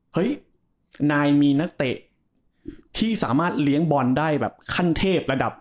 เฮ้ยนายมีนักเตะที่สามารถเลี้ยงบอลได้แบบขั้นเทพระดับ